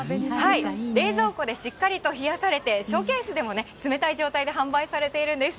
冷蔵庫でしっかりと冷やされて、ショーケースでも冷たい状態で販売されているんです。